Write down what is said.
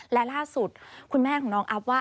และล่าสุดคุณแม่ของน้องอัพว่า